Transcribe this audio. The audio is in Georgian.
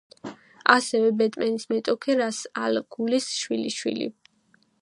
ასევე ბეტმენის მეტოქე რას ალ გულის შვილიშვილი.